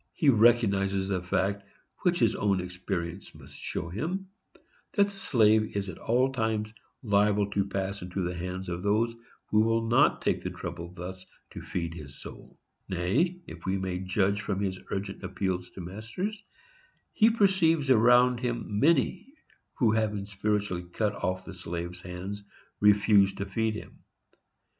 He recognizes the fact, which his own experience must show him, that the slave is at all times liable to pass into the hands of those who will not take the trouble thus to feed his soul; nay, if we may judge from his urgent appeals to masters, he perceives around him many who, having spiritually cut off the slave's hands, refuse to feed him.